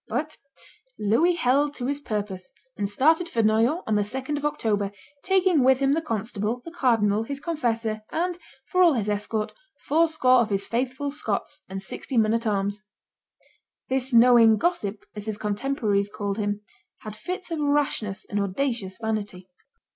But Louis held to his purpose, and started for Noyon on the 2d of October, taking with him the constable, the cardinal, his confessor, and, for all his escort, fourscore of his faithful Scots, and sixty men at arms. This knowing gossip, as his contemporaries called him, had fits of rashness and audacious vanity.